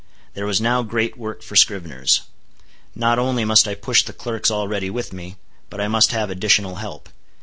There was now great work for scriveners. Not only must I push the clerks already with me, but I must have additional help.